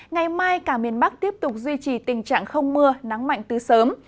ngày mai cả miền bắc tiếp tục duy trì tình trạng không mưa nắng mạnh từ sớm